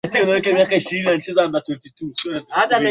Siwezi kuja na siwezi kuzawadiwa kwa kufika